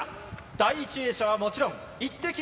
第１泳者はもちろん、イッテＱ！